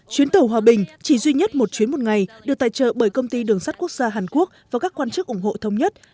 chuyến tàu hòa bình chỉ duy nhất một chuyến một ngày được tài trợ bởi công ty đường sắt quốc gia hàn quốc và các quan chức ủng hộ thống nhất